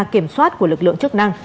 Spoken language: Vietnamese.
kiểm soát của lực lượng chức năng